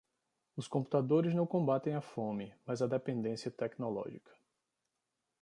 Os computadores não combatem a fome, mas a dependência tecnológica.